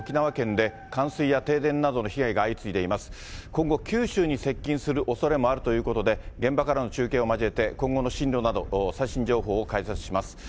今後、九州に接近するおそれもあるということで、現場からの中継を交えて、今後の進路など、最新情報を解説します。